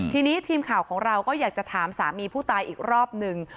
ทีนี้ทีมข่าวของเราก็อยากจะถามสามีผู้ตายอีกรอบหนึ่ง